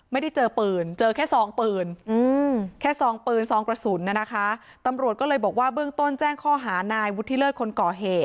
เมื่อนบ้างก็ยืนยันว่ามันเป็นแบบนั้นจริง